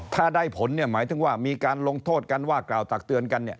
ถ้าได้ผลหมายถึงว่ามีการลงโทษการว่ากล่าวตักเตือนกัน